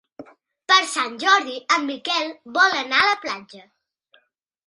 Per Sant Jordi en Miquel vol anar a la platja.